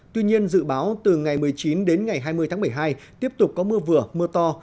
tuy nhiên dự báo từ ngày một mươi chín đến ngày hai mươi tháng một mươi hai tiếp tục có mưa vừa mưa to